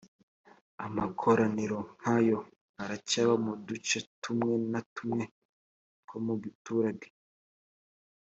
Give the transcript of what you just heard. amakoraniro nk ayo aracyaba mu duce tumwe na tumwe two mu giturage